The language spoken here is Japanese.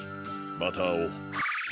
またあおう。